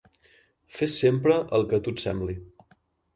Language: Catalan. Fes sempre el que a tu et sembli.